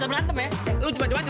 masih masalah adikku sekali